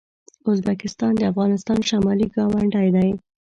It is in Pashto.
ازبکستان د افغانستان شمالي ګاونډی دی.